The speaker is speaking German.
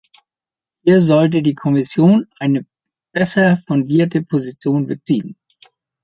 Hier sollte die Kommission eine besser fundierte Position beziehen.